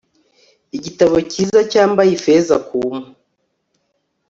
Igitabo cyiza cyambaye ifeza ku mpu